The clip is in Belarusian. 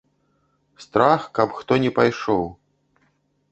Страх, каб хто не пайшоў.